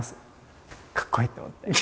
かっこいいと思って。